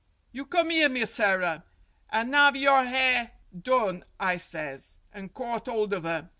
'You come 'ere, Misserrer, and 'ave yer 'air done,' I says, and caught 'old of 'er.